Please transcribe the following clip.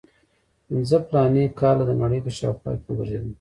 پنځه فلاني کاله د نړۍ په شاوخوا وګرځېدم.